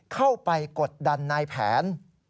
เข้าไปกดดันนายแผน